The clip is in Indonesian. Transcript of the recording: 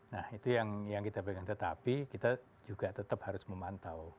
nah itu yang kita pegang tetapi kita juga tetap harus memantau